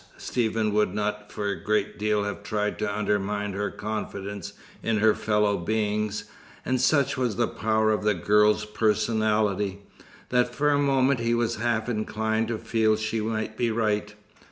Stephen would not for a great deal have tried to undermine her confidence in her fellow beings, and such was the power of the girl's personality, that for the moment he was half inclined to feel she might be right.